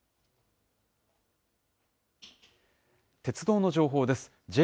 鉄道の情報です。